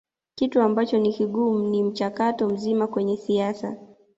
Kitu ambacho ni kigumu ni mchakato mzima kwenye siasa